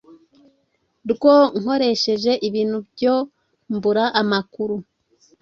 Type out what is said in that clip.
rwoe nkoreheje ibintu byoe mbura amakuru